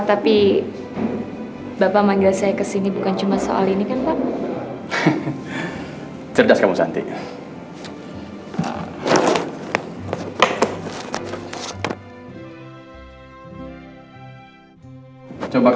aduh gini gini aku itu membaca buku loh